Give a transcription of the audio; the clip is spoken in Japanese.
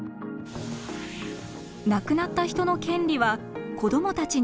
亡くなった人の権利は子供たちに移ります。